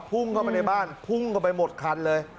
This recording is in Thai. พุ่งเข้าไปในบ้านพุ่งเข้าไปหมดคันเลย